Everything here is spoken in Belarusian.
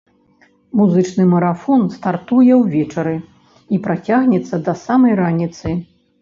Музычны марафон стартуе ўвечары і працягнецца да самай раніцы.